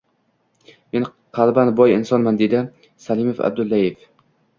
Men qalban boy insonman, — deydi Salim Abduvaliyev